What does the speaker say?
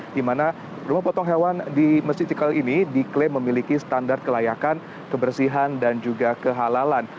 di mana rumah potong hewan di masjid istiqlal ini diklaim memiliki standar kelayakan kebersihan dan juga kehalalan